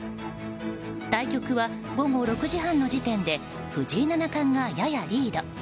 対局は午後６時半の時点で藤井七冠がややリード。